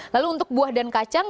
lalu untuk buah dan kacang